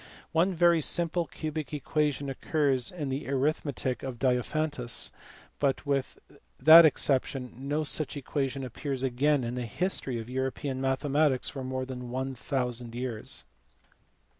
One very simple cubic equation occurs in the Arithmetic of Diophantus, but with that exception no such equation appears again in the history of European mathematics for more than a thousand years.